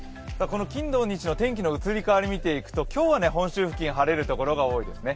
金土日の天気の移り変わりを見ていくと、今日は本州付近、晴れるところが多くなりそうですね。